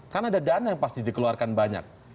kan ada dana yang pasti dikeluarkan banyak